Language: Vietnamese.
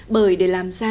bởi để làm ra